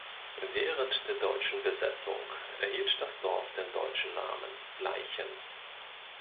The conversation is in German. Während der deutschen Besetzung erhielt das Dorf den deutschen Namen "Bleichen".